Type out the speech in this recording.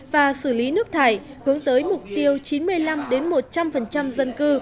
và xử lý nước thải hướng tới mục tiêu chín mươi năm một trăm linh dân cư